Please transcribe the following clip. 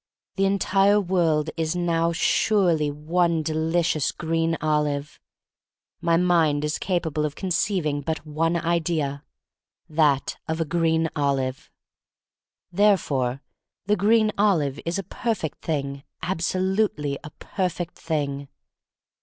The entire world is now surely one delicious green olive. My mind is capable of conceiving but one idea — that of a green olive. Therefore the green olive is a perfect thing — abso lutely a perfect thing.